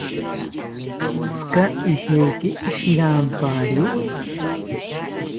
¿Tzika ejeki shirampari?